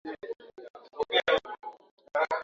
hadi mwaka elfu moja mia nane kumi na tano